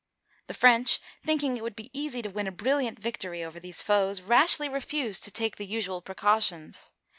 The French, thinking it would be easy to win a brilliant victory over these foes, rashly re fused to take the usual precautions.